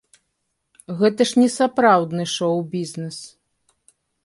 Гэта ж не сапраўдны шоў-бізнес.